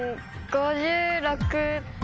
５６！